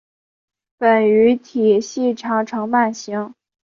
本鱼体细长呈鳗形。